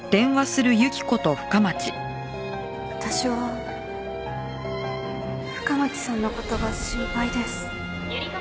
私は深町さんの事が心配です。